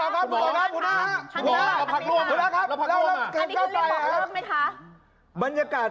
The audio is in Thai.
ขอบคุณครับ